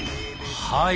はい。